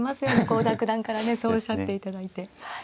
郷田九段からねそうおっしゃっていただいて。